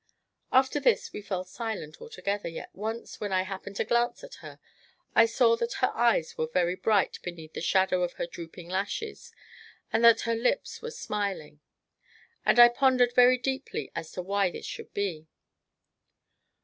After this we fell silent altogether, yet once, when I happened to glance at her, I saw that her eyes were very bright beneath the shadow of her drooping lashes, and that her lips were smiling; and I pondered very deeply as to why this should be.